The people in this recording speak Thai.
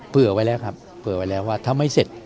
เผื่อไว้แล้วครับเผื่อไว้แล้วว่าถ้าไม่เสร็จ